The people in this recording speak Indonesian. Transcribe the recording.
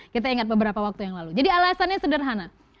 kita ingat beberapa waktu yang lalu jadi alasannya sederhana